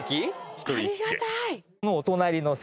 ありがたい。